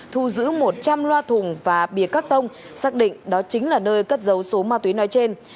thu giữ một trăm linh loa thùng và bìa cắt tông xác định đó chính là nơi cất dấu số ma túy nói trên